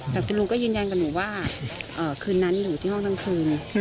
แต่คุณลุงก็ยืนยันกับหนูว่าคืนนั้นอยู่ที่ห้องทั้งคืน